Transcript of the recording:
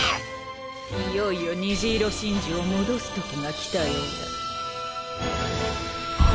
いよいよ虹色真珠を戻す時が来たようだ。